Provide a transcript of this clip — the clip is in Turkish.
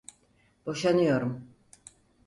Boşanıyorum.